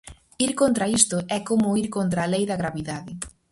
Ir contra isto é como ir contra a lei da gravidade.